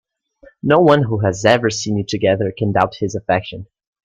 No one who has ever seen you together can doubt his affection.